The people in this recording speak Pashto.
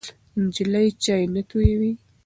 نجلۍ چای نه تویوي.